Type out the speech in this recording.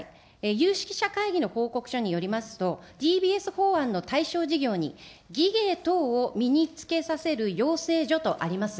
有識者会議の報告書によりますと、ＤＢＳ法案の対象事業に、技芸等を身につけさせる養成所とあります。